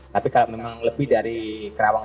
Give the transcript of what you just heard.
tapi kalau memang lebih dari kerawang